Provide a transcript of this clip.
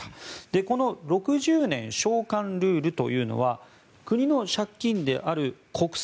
この６０年償還ルールというのは国の借金である国債